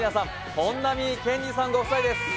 本並健治さんご夫妻です